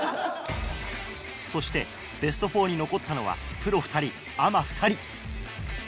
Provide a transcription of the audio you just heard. そしてベスト４に残ったのはプロ２人アマ２人。